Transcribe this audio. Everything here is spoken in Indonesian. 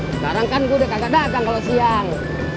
sekarang kan gua udah kagak dagang kalo siang